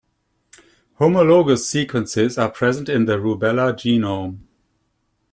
Homologous sequences are present in the rubella genome.